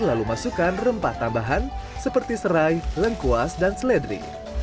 lalu masukkan rempah tambahan seperti serai lengkuas dan seledri